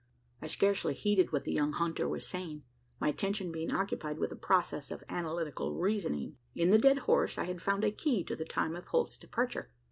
I scarcely heeded what the young hunter was saying my attention being occupied with a process of analytical reasoning. In the dead horse, I had found a key to the time of Holt's departure.